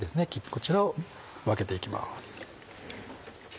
こちらを分けていきます。